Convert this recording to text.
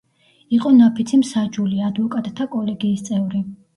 იყო ნაფიცი მსაჯული, ადვოკატთა კოლეგიის წევრი.